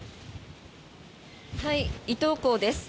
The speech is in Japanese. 伊東港です。